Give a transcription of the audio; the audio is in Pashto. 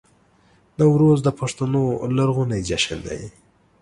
نوروز د پښتنو لرغونی جشن دی